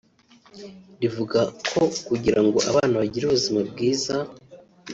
rivuga ko kugira ngo abana bagire ubuzima bwiza